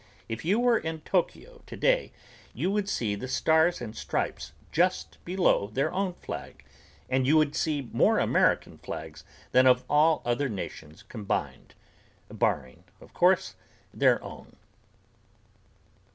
If you were in Tokyo today you would see the stars and stripes just below their own flag, and you would see more American flags than of all other nations combined, barring of course, their own.